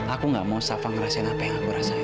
aku gak mau safa ngerasain apa yang aku rasain